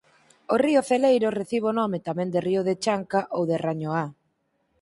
O Río Celeiro recibe o nome tamén de río da Chanca ou de Rañoá.